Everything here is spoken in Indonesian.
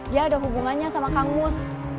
dia ada hubungannya sama kang mus